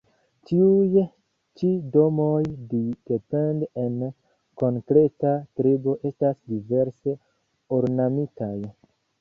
Tiuj ĉi domoj, depende en konkreta tribo, estas diverse ornamitaj.